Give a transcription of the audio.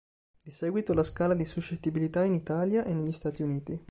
Di seguito, la scala di suscettibilità in Italia e negli Stati Uniti.